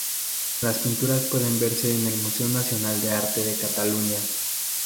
Las pinturas pueden verse en el Museo Nacional de Arte de Cataluña.